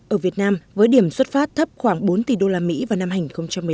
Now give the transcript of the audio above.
ở việt nam với điểm xuất phát thấp khoảng bốn tỷ đô la mỹ vào năm hành hai nghìn một mươi năm